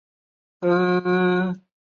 卵子或精子的缺陷会导致不育。